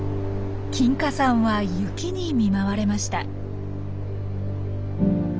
金華山は雪に見舞われました。